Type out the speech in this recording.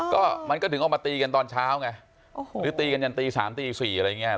ก็มันก็ถึงออกมาตีกันตอนเช้าไงหรือตีกันจนตี๓ตี๔อะไรอย่างนี้